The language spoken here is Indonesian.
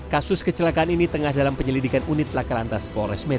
kasus kecelakaan ini tengah dalam penyelidikan unit lakalantas polres metro